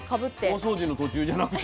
大掃除の途中じゃなくて？